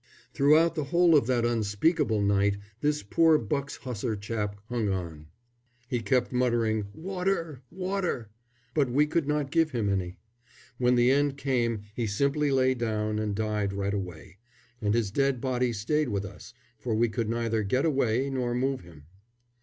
Throughout the whole of that unspeakable night this poor Bucks Hussar chap hung on. He kept muttering, "Water! Water!" But we could not give him any. When the end came he simply lay down and died right away, and his dead body stayed with us, for we could neither get away nor move him.